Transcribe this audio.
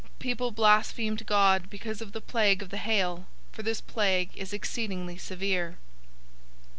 People blasphemed God because of the plague of the hail, for this plague is exceedingly severe.